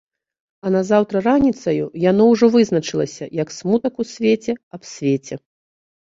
А назаўтра раніцаю яно ўжо вызначылася як смутак у свеце аб свеце.